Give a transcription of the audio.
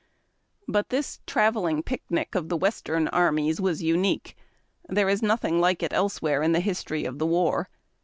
But this travelling picnic of the Western armies was unique. There is nothing like it elsewhere in the history of the war.